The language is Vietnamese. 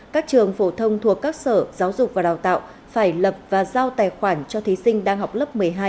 các trường phổ thông thuộc các sở giáo dục và đào tạo phải lập và giao tài khoản cho thí sinh đang học lớp một mươi hai